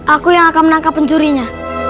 aku yang akan menangkap pencurinya